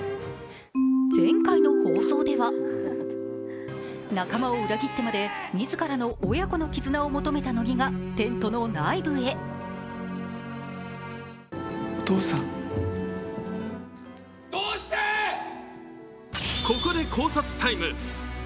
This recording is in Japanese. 前回の放送では仲間を裏切ってまで自らの親子の絆を求めた乃木がテントの内部へここで考察タイム！